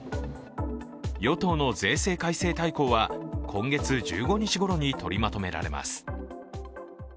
与党の税制改正大綱は今月１５日ごろに取りまとめられます。